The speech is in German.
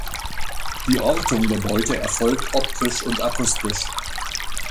Die Ortung der Beute erfolgt optisch und akustisch.